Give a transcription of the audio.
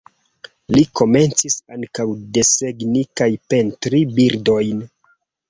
Li komencis ankaŭ desegni kaj pentri birdojn.